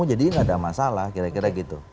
jadi nggak ada masalah kira kira gitu